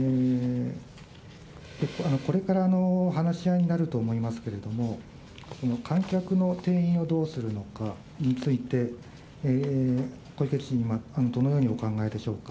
これから話し合いになると思いますけども、この観客の定員をどうするのかについて、小池知事はどのようにお考えでしょうか。